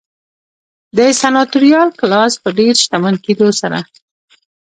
د سناتوریال کلاس په ډېر شتمن کېدو سره